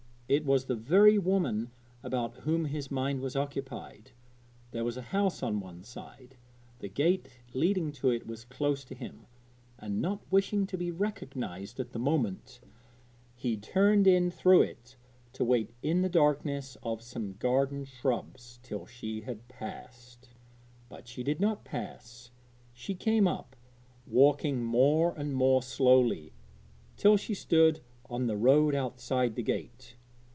It was the very woman about whom his mind was occupied. There was a house at one side; the gate leading to it was close to him, and, not wishing to be recognised at the moment, he turned in through it to wait in the darkness of some garden shrubs till she had passed. But she did not pass. She came up, walking more and more slowly, till she stood on the road outside the gate.